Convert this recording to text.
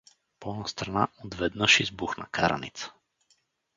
По-настрана отведнъж избухна караница.